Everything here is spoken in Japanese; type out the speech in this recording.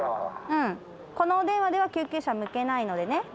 このお電話では救急車向けないのでね。